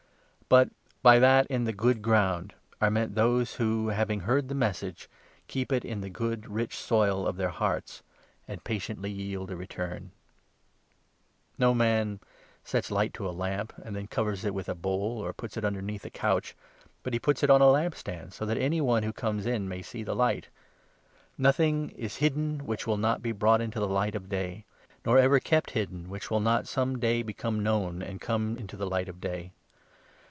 But by that in the good ground are meant those who, having 15 heard the Message, keep it in the good, rich soil of their hearts, and patiently yield a return. LoHson from No man sets light to a lamp and then covers it 16 a. Lamp. with a bowl or puts it underneath a couch, but he puts it on a lamp stand, so that anyone who comes in may see the light. Nothing is hidden which will not be brought into 17 the light of day, nor ever kept hidden which will not some day become known and come into the light of day.